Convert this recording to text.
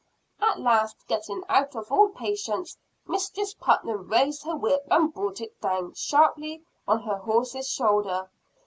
At last, getting out of all patience, Mistress Putnam raised her whip and brought it down sharply on her horse's shoulder.